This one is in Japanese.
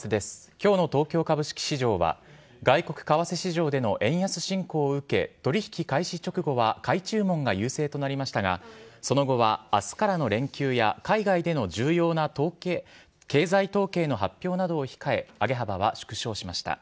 きょうの東京株式市場は、外国為替市場での円安進行を受け、取り引き開始直後は買い注文が優勢となりましたが、その後はあすからの連休や、海外での重要な経済統計の発表などを控え、上げ幅は縮小しました。